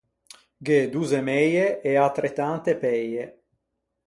Gh’é dozze meie e ätretante peie.